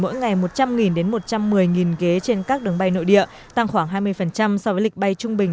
mỗi ngày một trăm linh đến một trăm một mươi ghế trên các đường bay nội địa tăng khoảng hai mươi so với lịch bay trung bình